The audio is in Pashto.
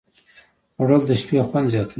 خوړل د شپې خوند زیاتوي